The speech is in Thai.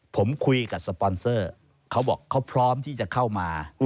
ผมคุยกับสปอนเซอร์เขาบอกเขาพร้อมที่จะเข้ามา